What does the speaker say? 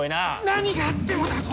何があってもだぞ。